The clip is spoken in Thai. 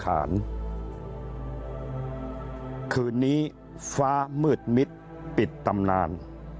คืนนี้ฟ้ามืดมิดปิดตำนานคืนนี้ฟ้ามืดมิดปิดตำนาน